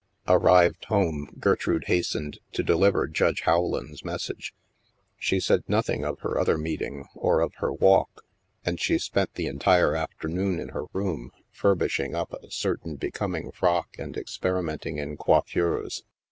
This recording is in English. Arrived home, Gertrude hastened to deliver Judge Rowland's message. She said nothing of her other meeting or of her walk. And she spent the entire afternoon in her room, furbishing up a certain be coming frock and experimenting in coiffures.